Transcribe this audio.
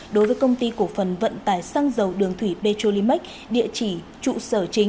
đối với công ty cổ phần vận tải xăng dầu đường thủy petrolimex địa chỉ trụ sở